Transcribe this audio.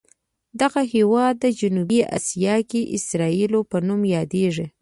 دغه هېواد جنوبي اسیا کې اسرائیلو په نوم یادوي.